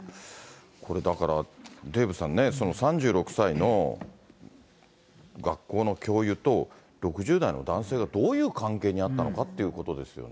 これ、だから、デーブさんね、３６歳の学校の教諭と、６０代の男性がどういう関係にあったのかということですよね。